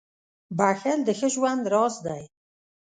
• بښل د ښه ژوند راز دی.